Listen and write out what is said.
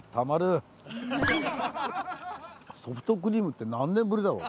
ソフトクリームって何年ぶりだろう？